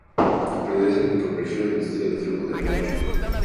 Pertenece a la microrregión administrativa de Franco da Rocha.